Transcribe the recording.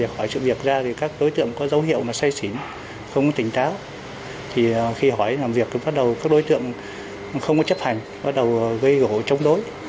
khi hỏi làm việc thì bắt đầu các đối tượng không chấp hành bắt đầu gây gỗ chống đối